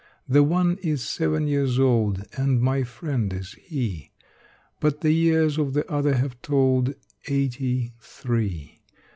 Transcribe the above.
The one is seven years old, And my friend is he: But the years of the other have told Eighty three.